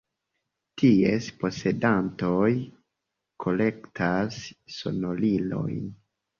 Ties posedantoj kolektas sonorilojn.